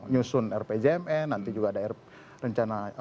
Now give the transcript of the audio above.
nyusun rpjmn nanti juga banyak pekerjaan lain ya